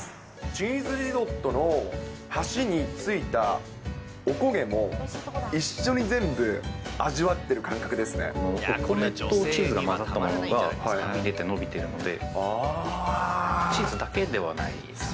チーズリゾットの端についたおこげも、一緒に全部味わってる感覚お米とチーズが混ざったものがはみ出て伸びてるので、チーズだけではないですね。